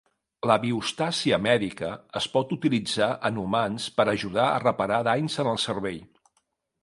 La biostàsia mèdica es pot utilitzar en humans per ajudar a reparar danys en el cervell.